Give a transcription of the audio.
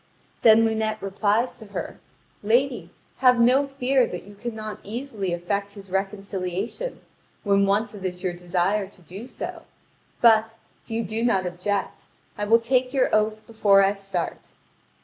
Then Lunete replies to her: "Lady, have no fear that you cannot easily effect his reconciliation, when once it is your desire to do so; but, if you do not object, I will take your oath before I start."